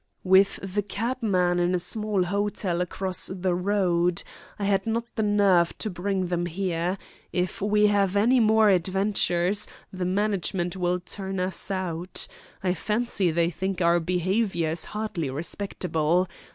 "With the cabman in a small hotel across the road. I had not the nerve to bring them here. If we have any more adventures, the management will turn us out. I fancy they think our behaviour is hardly respectable.